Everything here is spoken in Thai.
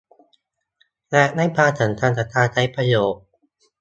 และให้ความสำคัญกับการใช้ประโยชน์